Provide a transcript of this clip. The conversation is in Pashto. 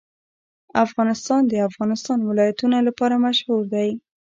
افغانستان د د افغانستان ولايتونه لپاره مشهور دی.